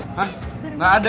hah nggak ada